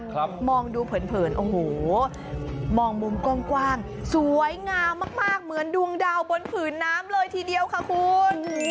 ครับมองดูเผินเผินโอ้โหมองมุมกว้างกว้างสวยงามมากมากเหมือนดวงดาวบนผืนน้ำเลยทีเดียวค่ะคุณ